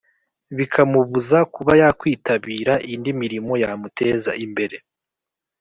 bikamubuza kuba yakwitabira indi mirimo yamuteza imbere.